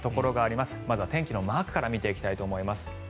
まずは天気のマークから見ていきたいと思います。